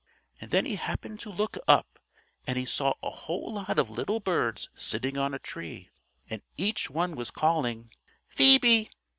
And then he happened to look up, and he saw a whole lot of little birds sitting on a tree, and each one was calling: "Phoebe!"